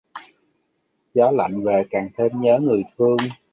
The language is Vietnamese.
Gió lạnh về càng thêm nhớ người thương